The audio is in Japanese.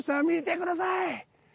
見てください！